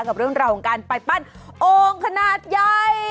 กับเรื่องราวของการไปปั้นโอ่งขนาดใหญ่